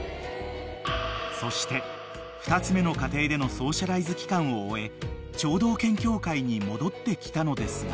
［そして２つ目の家庭でのソーシャライズ期間を終え聴導犬協会に戻ってきたのですが］